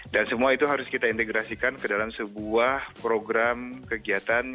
dan semua itu harus kita integrasikan ke dalam sebuah program kegiatan